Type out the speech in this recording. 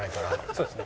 そうですね。